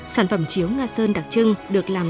sản phẩm chiếu nga sơn đặc trưng được làm